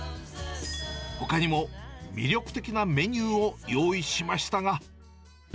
ほかにも魅力的なメニューを用意しましたが。